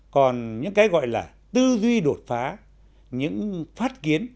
còn những cái gọi là tư duy đột phá những phát kiến